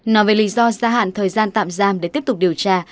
nói về lý do gia hạn thời gian tạm giam để tiếp tục điều tra